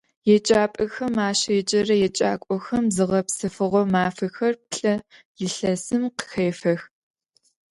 Еджапӏэхэм ащеджэрэ еджакӏохэм зыгъэпсэфыгъо мафэхэр плӏэ илъэсым къыхэфэх.